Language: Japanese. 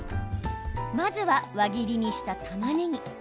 まずは輪切りにした、たまねぎ。